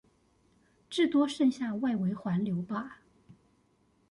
至多剩下外圍環流吧